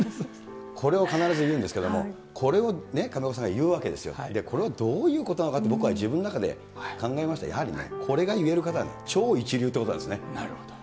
これを必ず言うんですけれども、これを上岡さんが言うわけですよ、これはどういうことなのかって、僕は自分の中で考えました、やはりね、これが言える方、超一流っていうことなんですね。